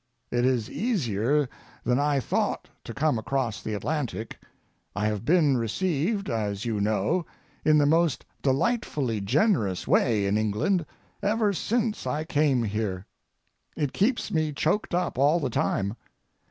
It is easier than I thought to come across the Atlantic. I have been received, as you know, in the most delightfully generous way in England ever since I came here. It keeps me choked up all the time.